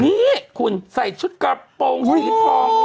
นี่คุณใส่ชุดกระโปรงสีทอง